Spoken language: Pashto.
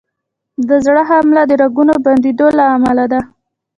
د زړه حمله د رګونو بندېدو له امله ده.